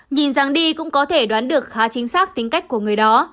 nhìn rằng đi cũng có thể đoán được khá chính xác tính cách của người đó